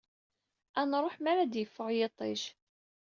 Ad nruḥ imi ad d-yeffeɣ yiṭij.